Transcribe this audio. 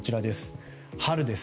春です。